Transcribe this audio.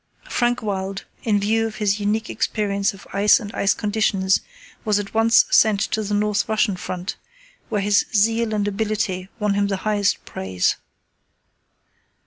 Frank Wild, in view of his unique experience of ice and ice conditions, was at once sent to the North Russian front, where his zeal and ability won him the highest praise.